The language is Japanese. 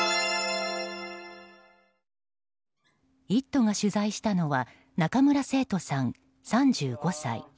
「イット！」が取材したのは中村清人さん、３５歳。